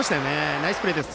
ナイスプレーです。